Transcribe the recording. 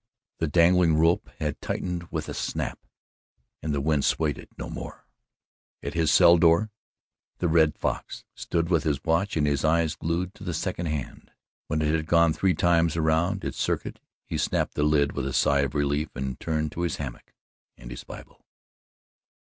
The dangling rope had tightened with a snap and the wind swayed it no more. At his cell door the Red Fox stood with his watch in his hand and his eyes glued to the second hand. When it had gone three times around its circuit, he snapped the lid with a sigh of relief and turned to his hammock and his Bible.